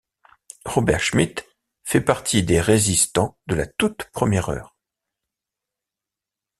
Robert Schmidt fait partie des résistants de la toute première heure.